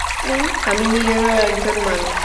আমি নিরীহ একজন মানুষ।